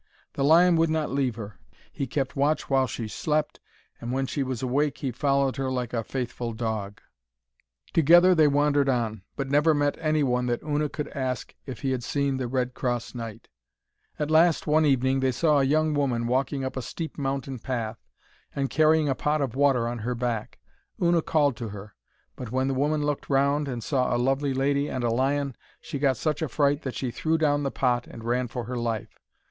The lion would not leave her. He kept watch while she slept, and when she was awake he followed her like a faithful dog. [Illustration: He followed her like a faithful dog (page 6)] Together they wandered on, but never met any one that Una could ask if he had seen the Red Cross Knight. At last, one evening, they saw a young woman walking up a steep mountain path, and carrying a pot of water on her back. Una called to her, but when the woman looked round and saw a lovely lady and a lion, she got such a fright that she threw down the pot and ran for her life.